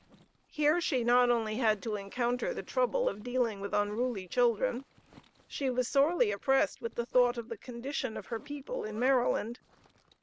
Here she not only had to encounter the trouble of dealing with unruly children, she was sorely oppressed with the thought of the condition of her people in Maryland.